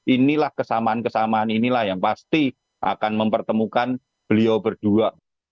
inilah kesamaan kesamaan inilah yang pasti akan mempertemukan beliau berdua